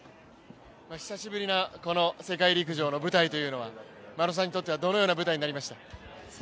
久しぶりな、この世界陸上の舞台というのは丸尾さんにとっては、どのような舞台になりましたか？